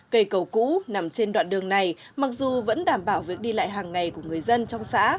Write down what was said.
cây cầu cũ nằm trên đoạn đường này mặc dù vẫn đảm bảo việc đi lại hàng ngày của người dân trong xã